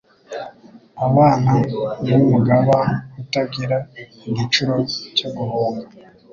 Aba n' umugaba utagira igicuro cyo guhunga.